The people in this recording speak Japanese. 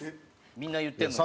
みんな言ってるのに。